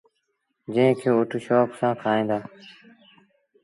جݩهݩ کي اُٺ شوڪ سآݩ کآئي دو۔